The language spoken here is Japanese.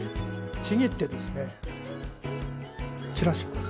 ちぎってですね散らします。